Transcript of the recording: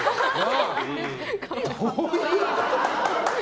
どういう？